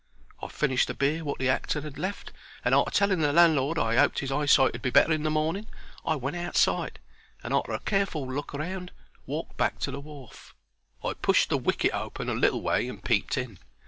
I finished the beer wot the actor 'ad left, and, arter telling the landlord I 'oped his eyesight 'ud be better in the morning, I went outside, and arter a careful look round walked back to the wharf. I pushed the wicket open a little way and peeped in.